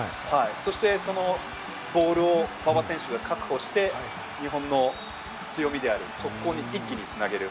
そしてそのボールを馬場選手が確保して、日本の強みである速攻に一気に繋げる。